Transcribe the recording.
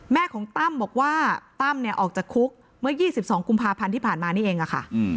แม่ของตั้มบอกว่าตั้มเนี่ยออกจากคุกเมื่อ๒๒กุมภาพันธ์ที่ผ่านมานี่เองค่ะ